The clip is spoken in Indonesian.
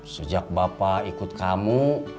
sejak bapak ikut kamu